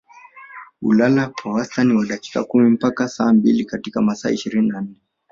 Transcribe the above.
Hulala kwa wastani wa dakika kumi mpaka saa mbili katika masaa ishirini na nne